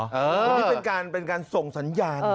เป็นการเป็นการส่งสัญญาณ